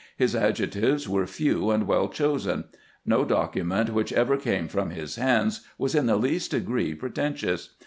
His adjectives were few and well chosen. No document which ever came from his hands was in the least degree pretentious.